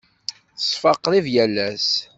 Teṣfa qrib yal ass.